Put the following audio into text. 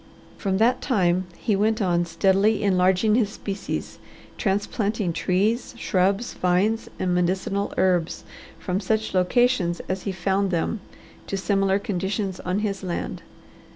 From that time he went on steadily enlarging his species, transplanting trees, shrubs, vines, and medicinal herbs from such locations as he found them to similar conditions on his land.